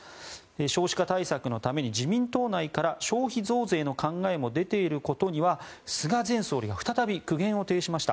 少子化対策のために自民党内から消費増税の考えも出ていることには菅前総理が再び苦言を呈しました。